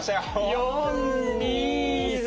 ４２３４。